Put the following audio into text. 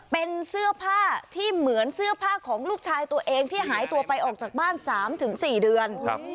เป็นเสื้อผ้าที่เหมือนเสื้อผ้าของลูกชายตัวเองที่หายตัวไปออกจากบ้าน๓๔เดือน